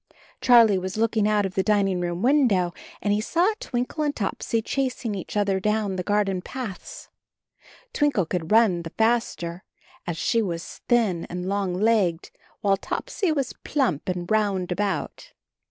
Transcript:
Charlie was looking out of the dining room window, and he saw Twinkle and Topsy chasing each other down the garden paths. Twinkle could run the faster, as she was thin and long legged, while Topsy was plump and round about.